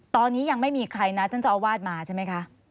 ตอนนี้ยังไม่มีใครนัดท่านเจ้าอาวาสมาใช่ไหมคะ